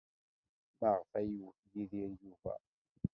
Maɣef ay iwet Yidir Yuba?